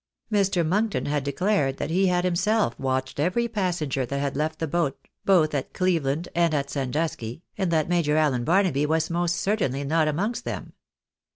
Mr. Monkton had declared that he had himself watched every passenger that had left the boat, both at Cleveland and at Sandusky, and that Major Allen Barnaby v.'as most certainly not amongst them.